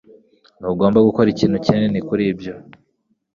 Ntugomba gukora ikintu kinini muri byo.